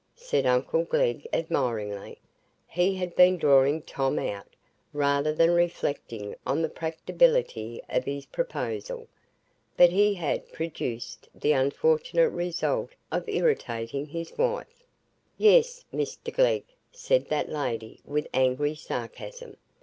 said uncle Glegg, admiringly. He had been drawing Tom out, rather than reflecting on the practicability of his proposal. But he had produced the unfortunate result of irritating his wife. "Yes, Mr Glegg!" said that lady, with angry sarcasm.